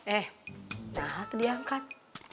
eh nah tuh diangkat